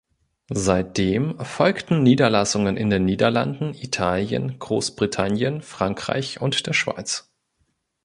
Seitdem folgten Niederlassungen in den Niederlanden, Italien, Großbritannien, Frankreich und der Schweiz.